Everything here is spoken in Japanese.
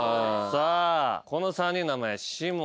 この３人の名前士門